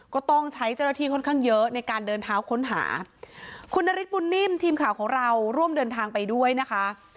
ก็ต้องใช้เจ้าหน้าที่ค่อนข้างเยอะในการเดินเท้าค้นหาคุณนฤทธบุญนิ่มทีมข่าวของเราร่วมเดินทางไปด้วยนะคะ